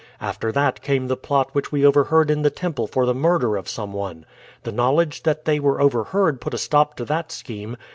After that came the plot which we overheard in the temple for the murder of some one. The knowledge that they were overheard put a stop to that scheme.